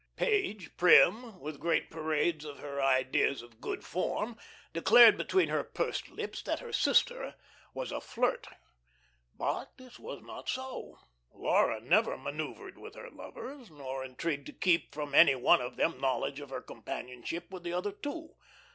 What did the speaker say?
Page, prim, with great parades of her ideas of "good form," declared between her pursed lips that her sister was a flirt. But this was not so. Laura never manoeuvered with her lovers, nor intrigued to keep from any one of them knowledge of her companionship with the other two.